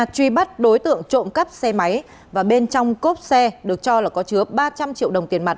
truy bắt đối tượng trộm cắp xe máy và bên trong cốp xe được cho là có chứa ba trăm linh triệu đồng tiền mặt